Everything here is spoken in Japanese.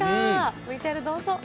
ＶＴＲどうぞ。